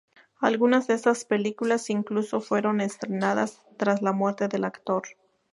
Algunas de estas películas incluso fueron estrenadas tras la muerte del actor.